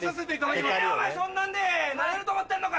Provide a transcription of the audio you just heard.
そんなんでなれると思ってるのか？